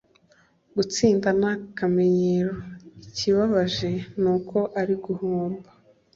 Gutsinda ni akamenyero. Ikibabaje ni uko ari uguhomba. ”